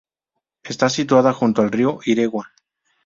Está situada junto al río Iregua.